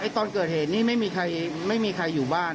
ตอนเกิดเหตุนี้ไม่มีใครอยู่บ้าน